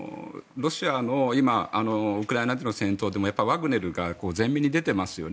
ロシアのウクライナ侵攻でもワグネルが前面に出ていますよね。